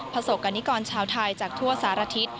ผสกกันิกรชาวไทยจากทั่วสารทิศ